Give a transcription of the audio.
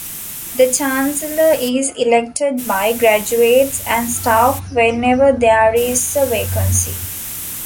The chancellor is elected by graduates and staff whenever there is a vacancy.